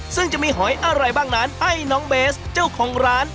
ซึ่งจะมีหอยอะไรบ้างนั้นให้น้องเบสเจ้าของร้าน